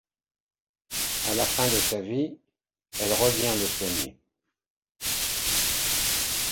À la fin de sa vie, elle revient le soigner.